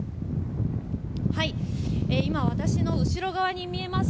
今、私の後ろ側に見えます